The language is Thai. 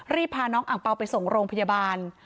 พาน้องอังเปล่าไปส่งโรงพยาบาล